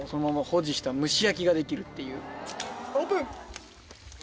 オープン！